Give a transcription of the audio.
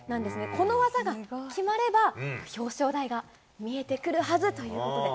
この技が決まれば、表彰台が見えてくるはずということで。